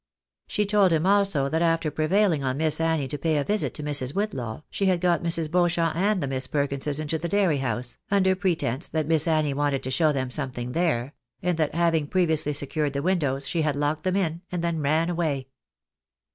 She told him also that after prevailing on Miss Annie to pay a visit to Mrs. Whitlaw, she had got Mrs. Beauchamp and the Miss Perkinses into the dairy house, under pretence that Miss Annie wanted to show them something there ; and that having previously secured the windows, she had locked them in, and then ran away.